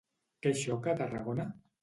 Què xoca a Tarragona?